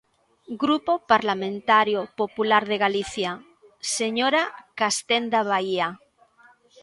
Grupo Parlamentario Popular de Galicia, señora Castenda Baía.